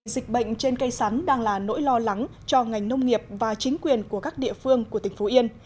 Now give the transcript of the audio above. dịch bệnh trên cây sắn đang là nỗi lo lắng cho ngành nông nghiệp và chính quyền của các địa phương của tỉnh phú yên